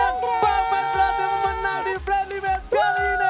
bang pen berhasil memenang di friendly match kali ini